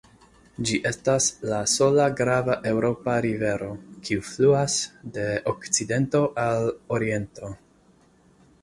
Ĝi estas la sola grava eŭropa rivero, kiu fluas de okcidento al oriento.